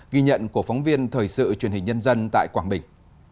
ghi nhận của phóng viên thời sự truyền hình nhân dân tại quảng bình